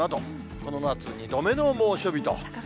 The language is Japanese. この夏２度目の猛暑日と。